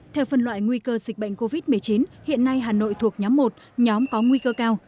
theo phân loại nguy cơ dịch bệnh covid một mươi chín hiện nay hà nội thuộc nhóm một nhóm có nguy cơ cao